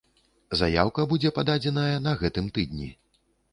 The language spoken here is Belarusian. Заяўка будзе пададзеная на гэтым тыдні.